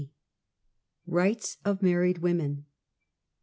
EIGHTS OF MAKEIED WOMEN".